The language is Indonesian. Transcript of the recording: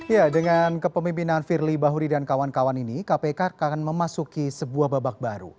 ya dengan kepemimpinan firly bahuri dan kawan kawan ini kpk akan memasuki sebuah babak baru